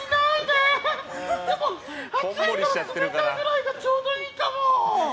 暑いから冷たいぐらいがちょうどいいかも。